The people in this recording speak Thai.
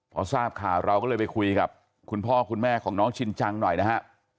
พอทราบข่าวเราก็เลยไปคุยกับคุณพ่อคุณแม่ของน้องชินจังหน่อยนะฮะ